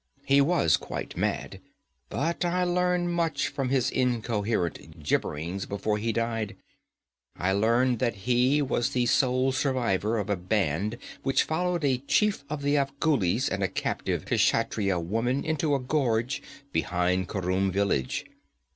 He was quite mad, but I learned much from his incoherent gibberings before he died. I learned that he was the sole survivor of a band which followed a chief of the Afghulis and a captive Kshatriya woman into a gorge behind Khurum village.